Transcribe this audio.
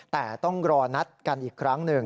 แต่ต้องรอนัดกันอีกครั้งหนึ่ง